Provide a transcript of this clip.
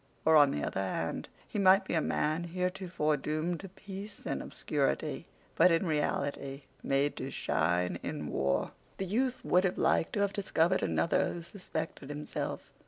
Or, on the other hand, he might be a man heretofore doomed to peace and obscurity, but, in reality, made to shine in war. The youth would have liked to have discovered another who suspected himself.